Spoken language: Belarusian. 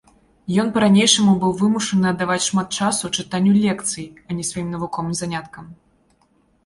Ён па-ранейшаму быў вымушаны аддаваць шмат часу чытанню лекцый, а не сваім навуковым заняткам.